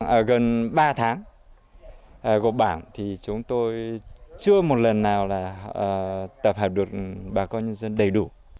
ở gần ba tháng gồm bản thì chúng tôi chưa một lần nào là tập hợp được bà con nhân dân đầy đủ